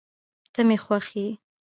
ته مي خوښ یې